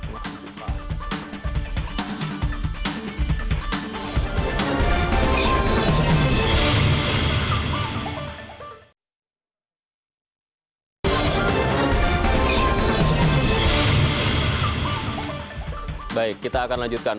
baik kita akan lanjutkan